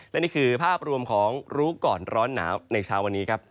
และนี่คือภาพรวมของรู้ก่อนร้อนหนาวในเช้าวันนี้ครับ